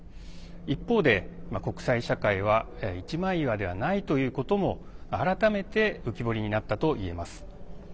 一方で、国際社会は一枚岩ではないということも改めて浮き彫りになったといえます。